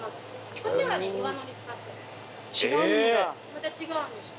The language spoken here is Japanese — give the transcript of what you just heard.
また違うんですよ。